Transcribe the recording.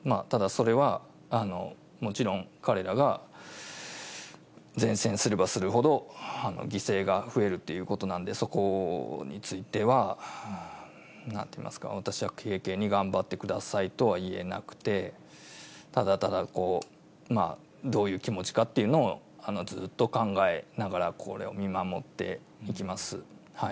ただそれは、もちろん、彼らが善戦すればするほど、犠牲が増えるっていうことなんで、そこについては、なんていいますか、私は軽々に頑張ってくださいとは言えなくて、ただただ、どういう気持ちかというのをずっと考えながら、これを見守っていきます。